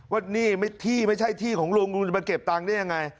ว่านี่ที่ไม่ใช่ที่ของลุงลุงจะมาเก็บตังค์ได้ยังไง